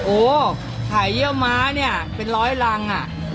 โอ้ไข่เยี่ยวม้าเนี่ยเป็นร้อยรังอ่ะ